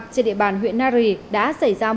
trên địa bàn huyện nari đã xảy ra mưa lớn